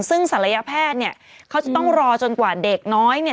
ซึ่งศัลยแพทย์เนี่ยเขาจะต้องรอจนกว่าเด็กน้อยเนี่ย